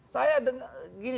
saya dengar gini